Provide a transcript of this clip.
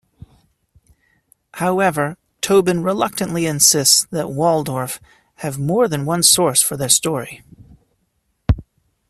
However, Tobin reluctantly insists that Waldorf have more than one source for the story.